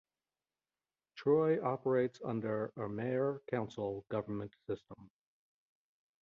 Troy operates under a Mayor-council government system.